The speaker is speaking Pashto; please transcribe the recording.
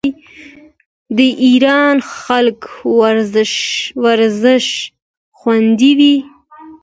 د ایران خلک ورزش خوښوي.